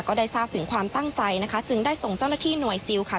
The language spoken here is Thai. ก็ได้ทราบถึงความตั้งใจนะคะจึงได้ส่งเจ้าหน้าที่หน่วยซิลค่ะ